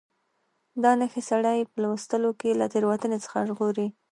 دا نښې سړی په لوستلو کې له تېروتنې څخه ژغوري.